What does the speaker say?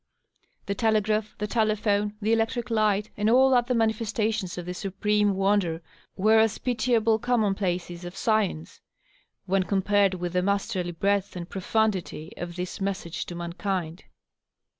The telegraph, the telephone, the electric light, and all other manifestations of this supreme wonder, were as pitiable commonplaces of science when compared with the mas terly breadth and profundity of my message to mankind